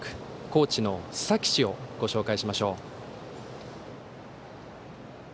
高知の須崎市をご紹介しましょう。